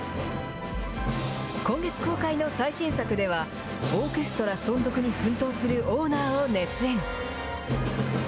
今月公開の最新作では、オーケストラ存続に奮闘するオーナーを熱演。